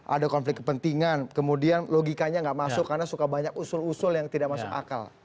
ada konflik kepentingan kemudian logikanya nggak masuk karena suka banyak usul usul yang tidak masuk akal